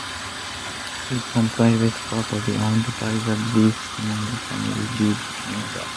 It is on private property, owned by the Dennis family who live nearby.